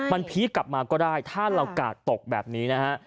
มันพีคกลับมาก็ได้ถ้าเรากาดตกแบบนี้นะฮะ